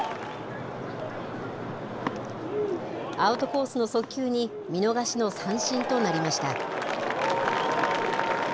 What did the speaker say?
アウトコースの速球に見逃しの三振となりました。